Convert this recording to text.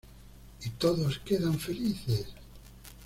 Y todos quedan felices.